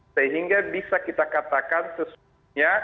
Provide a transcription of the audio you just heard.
sehingga bisa kita katakan sesungguhnya